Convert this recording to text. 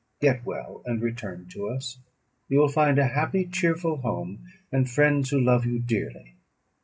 "Get well and return to us. You will find a happy, cheerful home, and friends who love you dearly.